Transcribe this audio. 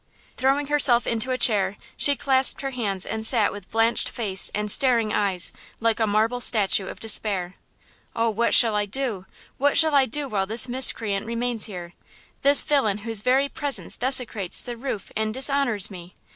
Throwing herself into a chair, she clasped her hands and sat with blanched face and staring eyes, like a marble statue of despair. "Oh, what shall I do? what shall I do while this miscreant remains here?–this villain whose very presence desecrates the roof and dishonors me?